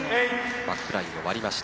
バックラインを割りました。